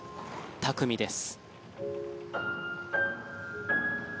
巧みです。